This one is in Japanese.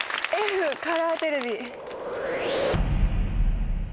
Ｆカラーテレビ。